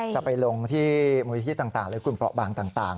จะไปลงที่มูลนิธิต่างหรือกลุ่มเปราะบางต่าง